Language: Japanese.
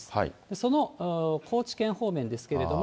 その高知県方面ですけれども。